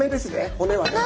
骨はね。